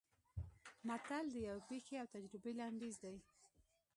متل د یوې پېښې او تجربې لنډیز دی